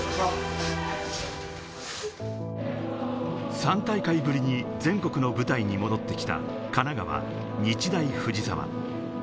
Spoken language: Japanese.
３大会ぶりに全国の舞台に戻ってきた神奈川・日大藤沢。